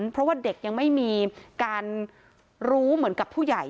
เพราะว่าเด็กยังไม่มีการรู้เหมือนกับผู้ใหญ่